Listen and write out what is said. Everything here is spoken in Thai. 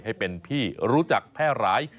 ให้เป็นที่รู้จักแพร่หลาย